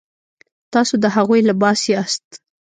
تاسو د هغوی لباس یاست.